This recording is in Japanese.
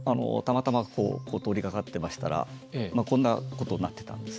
たまたま通りがかってましたらこんなことになってたんですね。